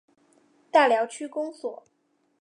大寮区公所